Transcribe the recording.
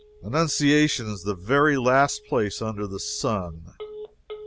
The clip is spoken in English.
Annunciation is the very last place under the sun.